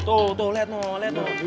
tuh tuh liat noh liat noh